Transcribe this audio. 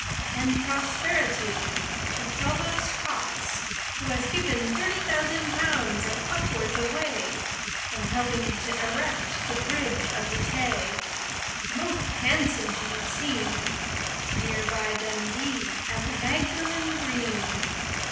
And prosperity to Provost Cox, who has given Thirty thousand pounds and upwards away In helping to erect the Bridge of the Tay, Most handsome to be seen, Near by Dundee and the Magdalen Green.